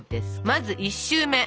まず１周目。